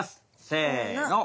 せの。